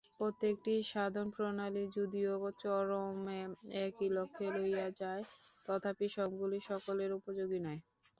প্রত্যেকটি সাধনপ্রণালী যদিও চরমে একই লক্ষ্যে লইয়া যায়, তথাপি সবগুলি সকলের উপযোগী নয়।